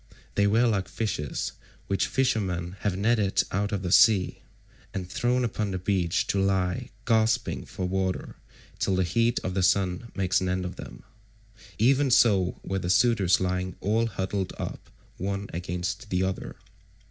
They were like fishes which fishermen have netted out of the sea, and thrown upon the beach to lie gasping for water till the heat of the sun makes an end of them. Even so were the suitors lying all huddled up one against the other.